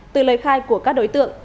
từ lời khai của các đối tượng